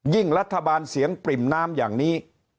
รัฐบาลเสียงปริ่มน้ำอย่างนี้